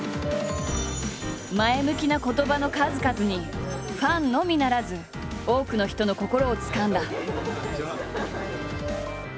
前向きな言葉の数々にファンのみならず多くの人の心をつかんだ。